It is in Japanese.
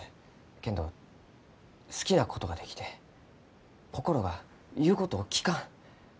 けんど好きなことができて心が言うことを聞かん。